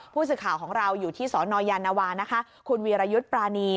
ผู้สื่อข่าวของเราอยู่ที่สนยานวานะคะคุณวีรยุทธ์ปรานี